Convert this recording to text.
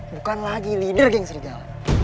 bukan lagi leader gang serigala